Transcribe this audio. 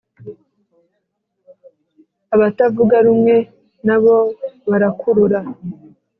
abatavuga rumwe na bo barakurura